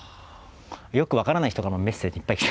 よく分からない人からもメッセージいっぱい来て。